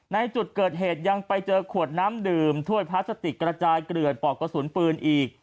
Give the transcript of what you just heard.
ในจุดเกิดเหตุยังไปเจอขวดน้ำดื่มถ้วยพลาสติกกระจายเกลือดปอกกระสุนปืนอีก